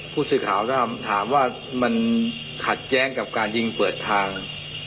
ผู้สื่อข่าวถ้าถามว่ามันขัดแย้งกับการยิงเปิดทาง